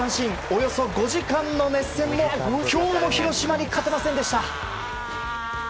およそ５時間の熱戦も今日も広島に勝てませんでした。